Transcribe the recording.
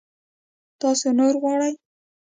تاسو نور غواړئ؟